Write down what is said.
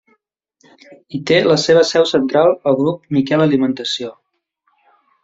Hi té la seva seu central el Grup Miquel Alimentació.